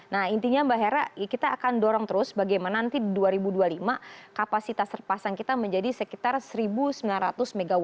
nah intinya mbak hera kita akan dorong terus bagaimana nanti dua ribu dua puluh lima kapasitas terpasang kita menjadi sekitar satu sembilan ratus mw